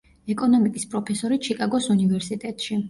ეკონომიკის პროფესორი ჩიკაგოს უნივერსიტეტში.